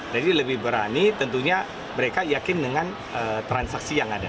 jadi lebih berani tentunya mereka yakin dengan transaksi yang ada